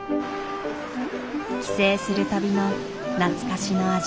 帰省するたびの懐かしの味。